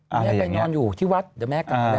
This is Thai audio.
แม่ไปนอนอยู่ที่วัดเดี๋ยวแม่กลับมาแล้ว